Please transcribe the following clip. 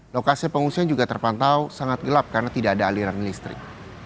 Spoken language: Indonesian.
lokasi pengungsian juga terpantau sangat gelap karena tidak ada aliran listrik